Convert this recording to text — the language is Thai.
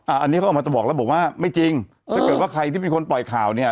อันนี้เขาออกมาจะบอกแล้วบอกว่าไม่จริงถ้าเกิดว่าใครที่เป็นคนปล่อยข่าวเนี่ย